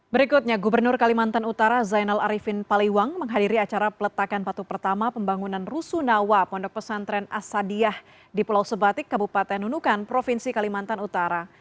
berikutnya gubernur kalimantan utara zainal arifin paliwang menghadiri acara peletakan batu pertama pembangunan rusunawa pondok pesantren asadiah di pulau sebatik kabupaten nunukan provinsi kalimantan utara